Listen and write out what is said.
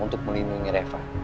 untuk melindungi reva